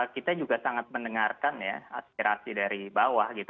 kita juga sangat mendengarkan ya aspirasi dari bawah gitu